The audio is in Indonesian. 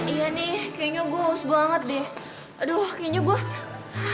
iya nih kayaknya gua haus banget deh aduh kayaknya gua mau pingsan lagi nih